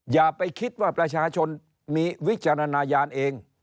อย่าไปคิดว่าประชาชนมีวิจารณญาณเอง